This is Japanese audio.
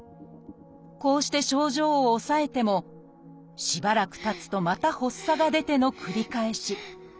こうして症状を抑えてもしばらくたつとまた発作が出ての繰り返し。